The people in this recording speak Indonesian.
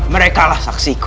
mereka lah saksiku